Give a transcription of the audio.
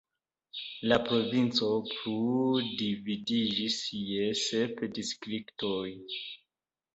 La provinco plu dividiĝis je sep distriktoj.